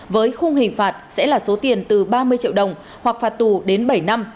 với khung hình phạt sẽ là số tiền từ ba mươi triệu đồng hoặc phạt tù đến bảy năm